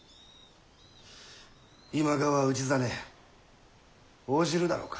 今川氏真応じるだろうか。